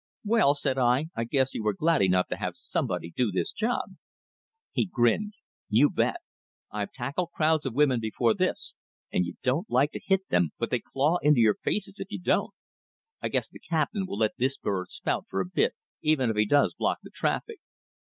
"Well," said I, "I guess you were glad enough to have somebody do this job." He grinned. "You bet! I've tackled crowds of women before this, and you don't like to hit them, but they claw into your face if you don't. I guess the captain will let this bird spout for a bit, even if he does block the traffic."